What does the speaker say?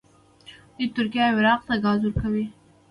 دوی ترکیې او عراق ته ګاز ورکوي.